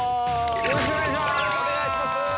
◆よろしくお願いします。